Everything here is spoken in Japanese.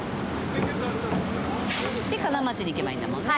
で金町に行けばいいんだもんね。